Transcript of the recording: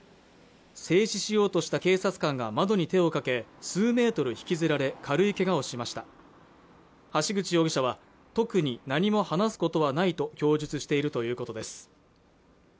制止しようとした警察官が窓に手をかけ数メートル引きずられ軽いけがをしました橋口容疑者は特に何も話すことはないと供述しているということです